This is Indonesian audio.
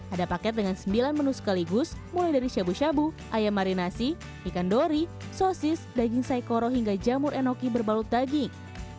ada paket dengan sembilan menu sekaligus mulai dari syabu syabu ayam marinasi ikan dori sosis daging saikoro hingga jamur enoki berbalut daging